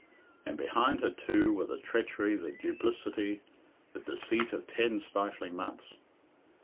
And behind her, too, were the treachery, the duplicity, and deceit of ten stifling months.